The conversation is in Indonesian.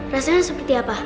rasanya seperti apa